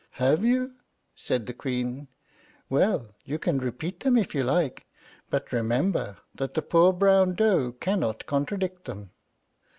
"Have you?" said the Queen. "Well, you can repeat them if you like; but remember that the poor brown doe cannot contradict them."